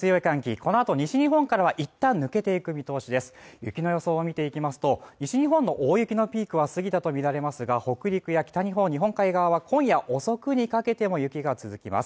このあと西日本からはいったん抜けていく見通しです雪の予想を見ていきますと西日本の大雪のピークは過ぎたと見られますが北陸や北日本の日本海側は今夜遅くにかけても雪が続きます